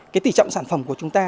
cái tỉ trọng sản phẩm của chúng ta